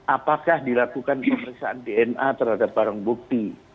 apakah dilakukan pemeriksaan dna terhadap barang bukti